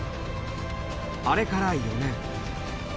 あれから４年。